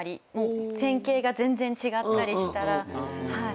戦型が全然違ったりしたらはい。